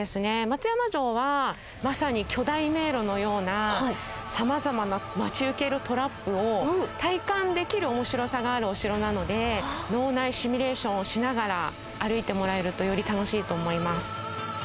松山城はまさに巨大迷路のようなさまざまな待ち受けるトラップを体感できる面白さがあるお城なので脳内シミュレーションをしながら歩いてもらえるとより楽しいと思います。